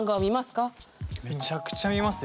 めちゃくちゃ見ますよ！